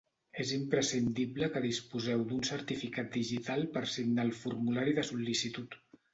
És imprescindible que disposeu d'un certificat digital per signar el formulari de sol·licitud.